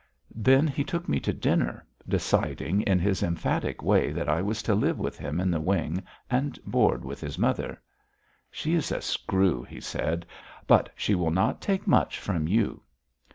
Then he took me to dinner, deciding in his emphatic way that I was to live with him in the wing and board with his mother. "She is a screw," he said, "but she will not take much from you."